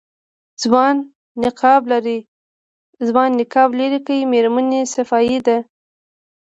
ځوان نقاب لېرې کړ مېرمنې صفايي ده.